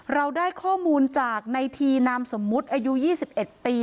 เราได้ข้อมูลจากในทีนามสมมุติอายุ๒๑ปี